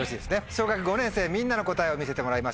小学５年生みんなの答えを見せてもらいましょう。